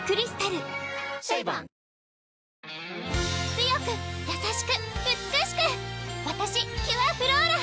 強く優しく美しくわたしキュアフローラ！